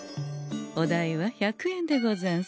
お代は１００円でござんす。